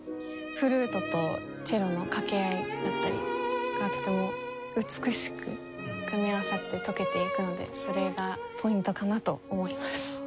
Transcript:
フルートとチェロの掛け合いだったりがとても美しく組み合わさって溶けていくのでそれがポイントかなと思います。